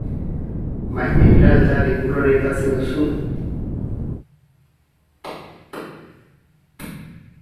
Baina hil al da liburuan aipatzen duzun.